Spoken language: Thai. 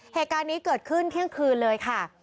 เหตุการณ์นี้เกิดขึ้นเที่ยงคืนเลยค่ะ